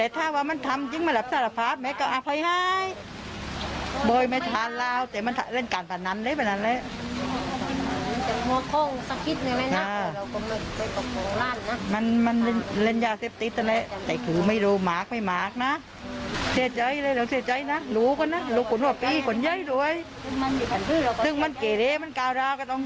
แต่มันเล่นการผ่านนั้นเลยผ่านนั้นเลย